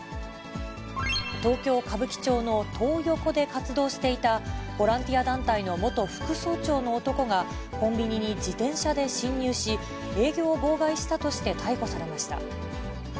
東京・歌舞伎町のトー横で活動していたボランティア団体の元副総長の男が、コンビニに自転車で侵入し、営業を妨害したとして逮捕されました。